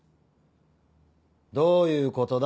どういうことだ？